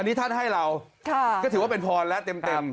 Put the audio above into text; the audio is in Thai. อันนี้ท่านให้เราก็ถือว่าเป็นพรแล้วเต็ม